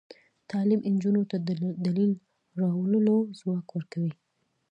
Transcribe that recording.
تعلیم نجونو ته د دلیل راوړلو ځواک ورکوي.